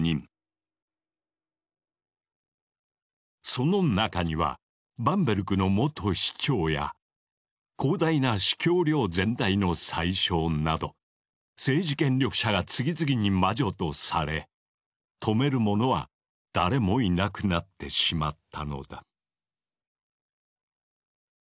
その中にはバンベルクの元市長や広大な司教領全体の宰相など政治権力者が次々に魔女とされ止める者は誰もいなくなってしまったのだ。